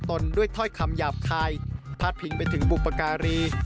ตนด้วยถ้อยคำหยาบคายพาดพิงไปถึงบุปการี